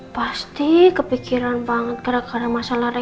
pasti kepikiran banget gara gara masalah reyna ini